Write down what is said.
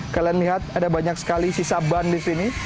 kalian lihat ada banyak sekali sisa ban di sini